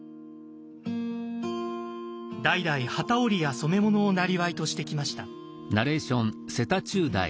代々機織りや染め物をなりわいとしてきました。